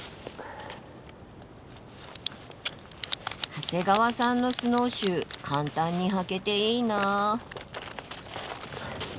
長谷川さんのスノーシュー簡単に履けていいな。